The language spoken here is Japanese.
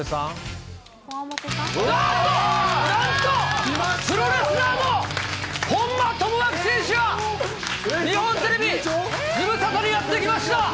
なんと、なんと、プロレスラーの本間朋晃選手が、日本テレビ、ズムサタにやって来ました。